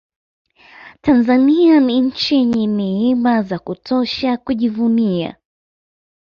tanzania ni nchi yenye neema za kutosha kujivunia